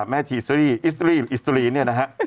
แม่ชีอิสตรีอิสตรีอิสตรีเนี่ยนะฮะ